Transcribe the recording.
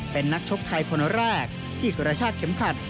เป็นนักชกไทยคนแรกที่กระชากเข็มขัด